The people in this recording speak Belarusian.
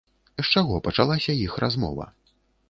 З чаго пачалася іх размова?